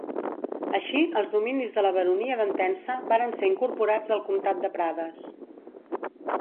Així els dominis de la Baronia d'Entença varen ser incorporats al Comtat de Prades.